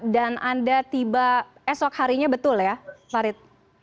dan anda tiba esok harinya betul ya farid